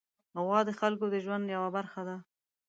غوا د خلکو د ژوند یوه برخه ده.